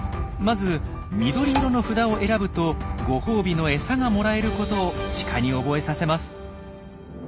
まず緑色の札を選ぶとご褒美の餌がもらえることをシカに覚えさせます。